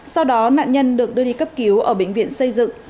sau đó nạn nhân được đưa đi cấp cứu ở bệnh viện xây dựng